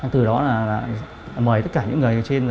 từ đó là mời tất cả những người trên